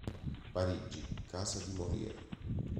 Parigi, casa di Molière.